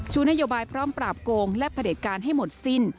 นโยบายพร้อมปราบโกงและผลิตการให้หมดสิ้น